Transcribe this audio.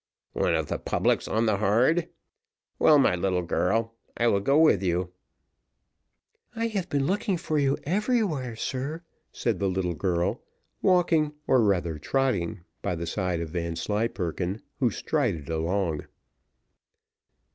"One of the publics on the hard; well, my little girl, I will go with you." "I have been looking for you everywhere, sir," said the little girl, walking, or rather trotting by the side of Vanslyperken, who strided along.